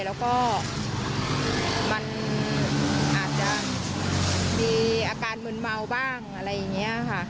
แล้วก็มันอาจจะมีอาการมึนเมาบ้างอะไรอย่างนี้ค่ะ